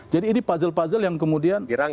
jadi ini puzzle puzzle yang kemudian